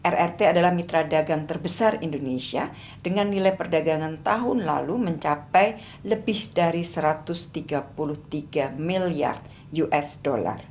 rrt adalah mitra dagang terbesar indonesia dengan nilai perdagangan tahun lalu mencapai lebih dari satu ratus tiga puluh tiga miliar usd